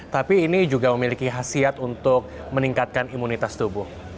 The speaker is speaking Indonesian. tapi ini juga memiliki khasiat untuk meningkatkan imunitas tubuh